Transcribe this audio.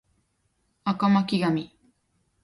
赤巻紙